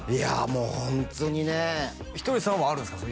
もうホントにねひとりさんはあるんですか？